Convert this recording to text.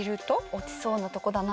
落ちそうなとこだな。